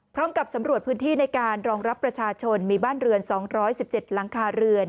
พร้อมกับสำรวจพื้นที่ในการรองรับประชาชนมีบ้านเรือน๒๑๗หลังคาเรือน